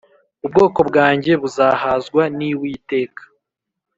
ubwoko bwanjye buzahazwa n’Iwiteka